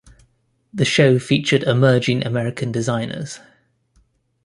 The show featured emerging American designers.